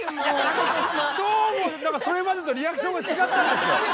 どうもそれまでとリアクションが違ったんですよ。